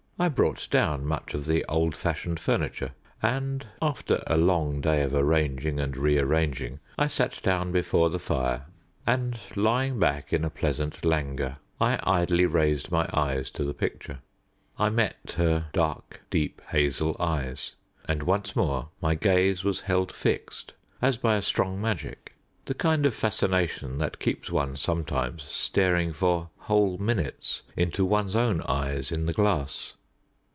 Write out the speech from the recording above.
I brought down much of the old fashioned furniture, and, after a long day of arranging and re arranging, I sat down before the fire, and, lying back in a pleasant languor, I idly raised my eyes to the picture. I met her dark, deep hazel eyes, and once more my gaze was held fixed as by a strong magic the kind of fascination that keeps one sometimes staring for whole minutes into one's own eyes in the glass.